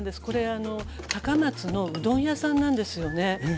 これ高松のうどん屋さんなんですよね。